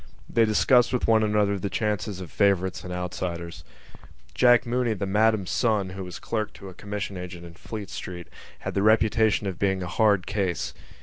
They discussed with one another the chances of favourites and outsiders. Jack Mooney, the Madam's son, who was clerk to a commission agent in Fleet Street, had the reputation of being a hard case.